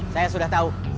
saya sudah tahu